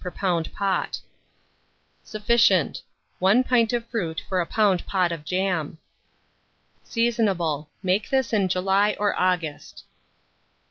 per lb. pot. Sufficient. 1 pint of fruit for a lb. pot of jam. Seasonable. Make this in July or August.